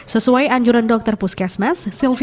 sesuai anjuran dokter puskesmas